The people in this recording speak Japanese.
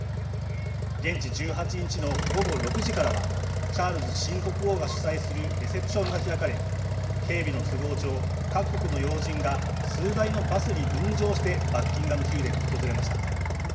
現地１８日の午後６時からはチャールズ新国王が主催するレセプションが開かれ、警備の都合上、数台のバスに分乗してバッキンガム宮殿を訪れました。